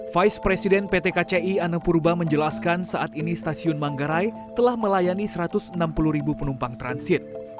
vice president pt kci anang purba menjelaskan saat ini stasiun manggarai telah melayani satu ratus enam puluh ribu penumpang transit